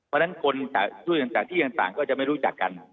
เพราะฉะนั้นคนช่วยต่างที่ต่างก็จะไม่รู้จักกัน